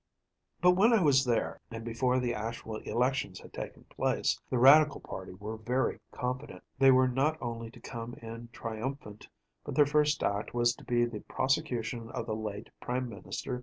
But when I was there, and before the actual elections had taken place, the Radical party were very confident. They were not only to come in triumphant, but their first act was to be the prosecution of the late Prime Minister, M.